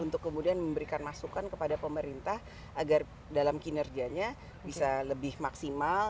untuk kemudian memberikan masukan kepada pemerintah agar dalam kinerjanya bisa lebih maksimal